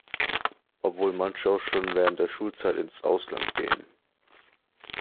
Obwohl manche auch schon während der Schulzeit ins Ausland gehen.